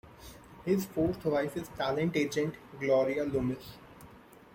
His fourth wife is talent agent Gloria Loomis.